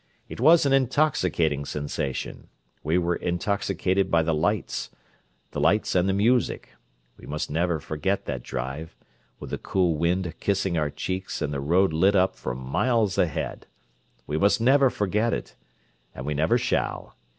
It was an intoxicating sensation: we were intoxicated by the lights, the lights and the music. We must never forget that drive, with the cool wind kissing our cheeks and the road lit up for miles ahead. We must never forget it and we never shall.